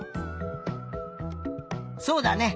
そうだね。